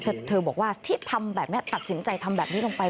เธอบอกว่าที่ทำแบบนี้ตัดสินใจทำแบบนี้ลงไป